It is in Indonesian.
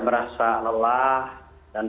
merasa lelah dan